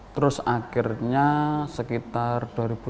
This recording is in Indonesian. terus akhirnya sekitar dua ribu sepuluh dua ribu sebelas